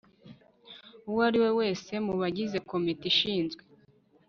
uwo ari we wese mu bagize komite ishinzwe